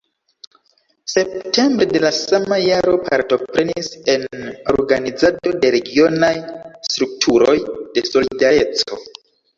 Septembre de la sama jaro partoprenis en organizado de regionaj strukturoj de "Solidareco".